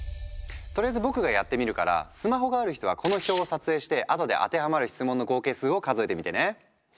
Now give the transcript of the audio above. とりあえず僕がやってみるからスマホがある人はこの表を撮影してあとで当てはまる質問の合計数を数えてみてね。